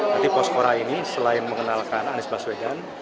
nanti posko rakyat ini selain mengenalkan anies baswedan